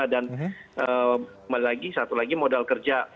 dan satu lagi modal kerja